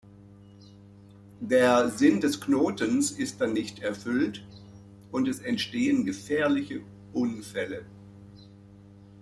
Der Sinn des Knotens ist dann nicht erfüllt und es entstehen gefährliche Unfälle.